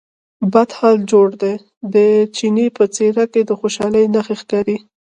بد حال جوړ دی، د چیني په څېره کې د خوشالۍ نښې ښکارې.